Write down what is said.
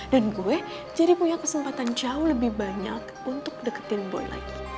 dan gue jadi punya kesempatan jauh lebih banyak untuk deketin boy lagi